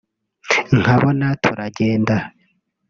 nkabona turagenda